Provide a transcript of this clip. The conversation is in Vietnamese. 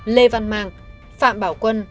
lê văn mang phạm bảo quân